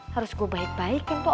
harus gue baik baikin kok